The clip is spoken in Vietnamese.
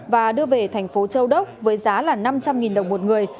và đưa về thành phố châu đốc với giá là năm trăm linh đồng một người